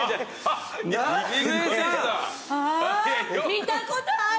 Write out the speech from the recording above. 見たことある！